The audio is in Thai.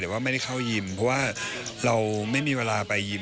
แต่ว่าไม่ได้เข้ายิมเพราะว่าเราไม่มีเวลาไปยิม